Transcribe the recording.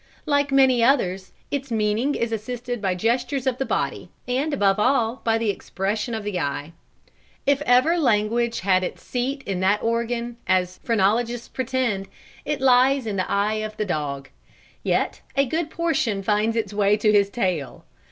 Like many others, its meaning is assisted by gestures of the body, and, above all, by the expression of the eye. If ever language had its seat in that organ, as phrenologists pretend, it lies in the eye of the dog. Yet, a good portion finds its way to his tail.